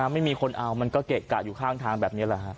ไม่มีคนเอามันก็เกะกะอยู่ข้างทางแบบนี้แหละฮะ